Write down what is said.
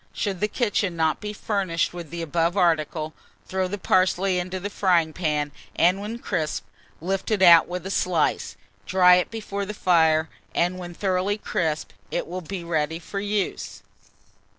Should the kitchen not be furnished with the above article, throw the parsley into the frying pan, and when crisp, lift it out with a slice, dry it before the fire, and when thoroughly crisp, it will be ready for use.